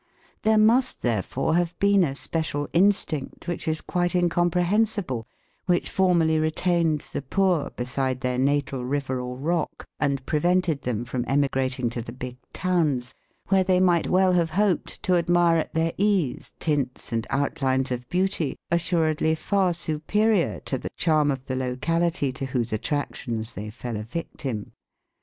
There must therefore have been a special instinct which is quite incomprehensible which formerly retained the poor beside their natal river or rock and prevented their emigrating to the big towns, where they might well have hoped to admire at their ease tints and outlines of beauty assuredly far superior to the charm of the locality to whose attractions they fell a victim.